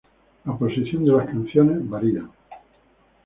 La posición de las canciones varían